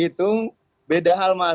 itu beda hal mas